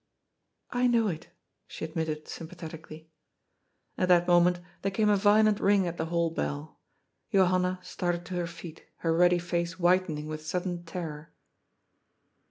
^^ I know it," she admitted sympathetically. At that moment there came a violent ring at the hall bell. Johanna started to her feet, her ruddy face whitening with sudden terror.